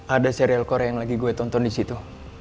ada serial korea yang lagi gue tonton disitu